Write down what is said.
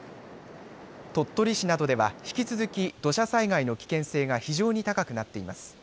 鳥取市などでは引き続き土砂災害の危険性が非常に高くなっています。